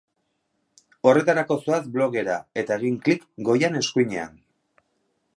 Horretarako zoaz blogera eta egin klik goian eskuinean.